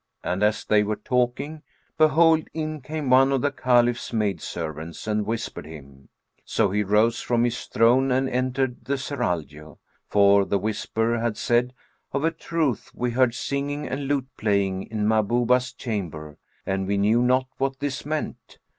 and as they were talking, behold, in came one of the Caliph's maidservants and whispered him; so he rose from his throne and entered the Serraglio; for the whisper had said, "Of a truth we heard singing and lute playing in Mahbubah's chamber and we knew not what this meant."